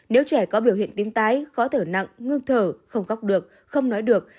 nếu trẻ có biểu hiện tim tái khó thở nặng ngưng thở không khóc được không nói được